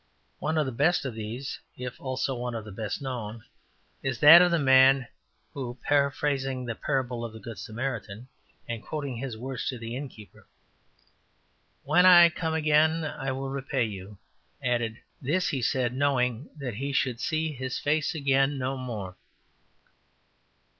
One of the best of these, if also one of the best known, is that of the man who, paraphrasing the parable of the Good Samaritan, and quoting his words to the innkeeper, ``When I come again I will repay you,'' added, ``This he said knowing that he should see his face again no more.''